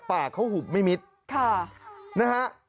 ปากเขาหุบไม่มิดนะฮะ